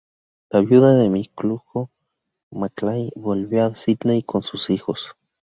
La viuda de Miklujo-Maklái volvió a Sídney con sus hijos.